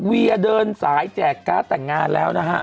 เวียเดินสายแจกการ์ดแต่งงานแล้วนะฮะ